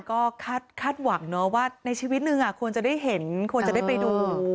ก็คาดหวังเนาะว่าในชีวิตนึงควรจะได้เห็นควรจะได้ไปดู